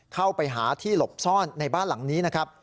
เข้าไปหาที่หลบซ่อนในบ้านหลังนี้นะครับ